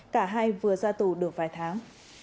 cả hai vừa ra tù được vài tháng